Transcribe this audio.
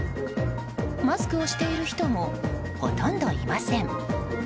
マスクをしている人もほとんどいません。